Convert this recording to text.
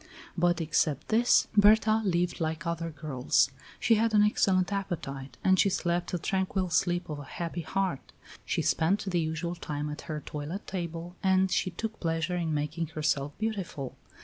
But except this, Berta lived like other girls; she had an excellent appetite and she slept the tranquil sleep of a happy heart. She spent the usual time at her toilet table and she took pleasure in making herself beautiful.